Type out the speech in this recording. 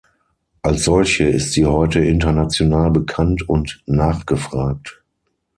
Als solche ist sie heute international bekannt und nachgefragt.